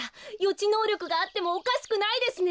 ちのうりょくがあってもおかしくないですね！